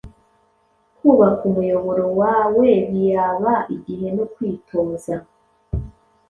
kubaka umuyoboro wawebiaba igihe no kwitoza,